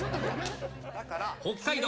北海道